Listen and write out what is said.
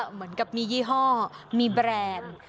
เหมือนกับมียี่ห้อมีแบรนด์